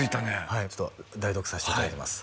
はいちょっと代読させていただきます